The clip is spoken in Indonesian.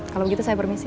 kalau begitu saya permisi